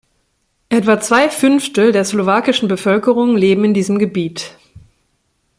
Etwa zwei Fünftel der slowakischen Bevölkerung leben in diesem Gebiet.